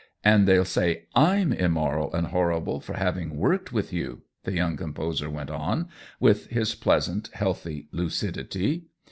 And they'll say Fm immoral and horrible for having worked with you," the young composer went on, with his pleasant, healthy lucidity.